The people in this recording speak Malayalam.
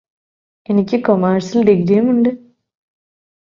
എനിക്ക് കൊമേഴ്സിൽ ഡിഗ്രിയുമുണ്ട്